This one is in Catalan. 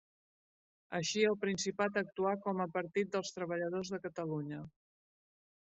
Així al Principat actuà com a Partit dels Treballadors de Catalunya.